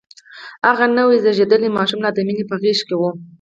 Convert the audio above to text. هغه نوی زيږدلی ماشوم لا د مينې په غېږ کې و.